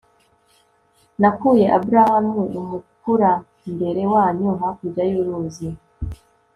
nakuye abrahamu, umukurambere wanyu, hakurya y'uruzi